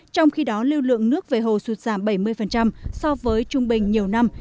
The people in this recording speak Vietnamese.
trong khi đó lưu lượng nước về hồ sụt giảm bảy mươi so với trung bình nhiều năm